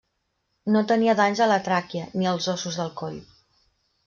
No tenia danys a la tràquea ni als ossos del coll.